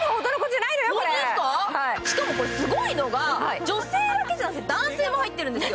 しかもこれ、すごいのが女性だけじゃなくて男性も入ってるんですよ。